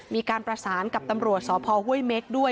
มีการประสานกับตำรวจสพห้วยเม็กด้วย